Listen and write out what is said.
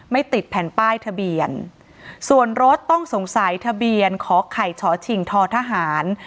ติดแผ่นป้ายทะเบียนส่วนรถต้องสงสัยทะเบียนขอไข่ฉอชิงทอทหาร